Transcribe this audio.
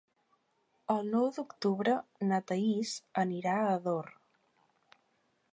El nou d'octubre na Thaís anirà a Ador.